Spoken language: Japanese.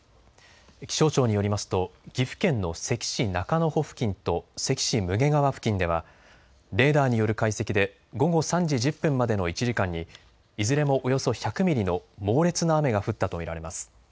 気象庁によりますと岐阜県の関市中之保付近と関市武芸川付近ではレーダーによる解析で午後３時１０分までの１時間にいずれもおよそ１００ミリの猛烈な雨が降ったと見られます。